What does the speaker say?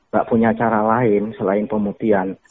gak punya cara lain selain pemutian